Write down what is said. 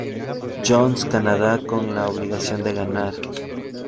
John’s, Canadá con la obligación de ganar.